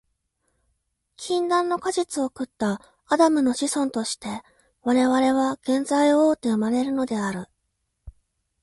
禁断の果実を食ったアダムの子孫として、我々は原罪を負うて生まれるのである。